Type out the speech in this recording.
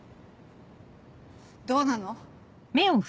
どうなの？